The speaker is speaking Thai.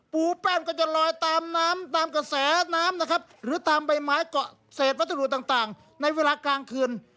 ปูแป้นก็จะลอยตามน้ำตามกระแสน้ำนะครับหรือตามใบไม้เกาะเศษวัสดุต่างในเวลากลางคืน